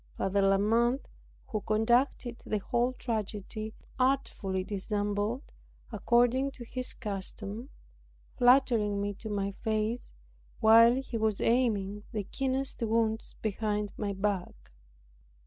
Father La Mothe who conducted the whole tragedy, artfully dissembled, according to his custom; flattering me to my face, while he was aiming the keenest wounds behind my back.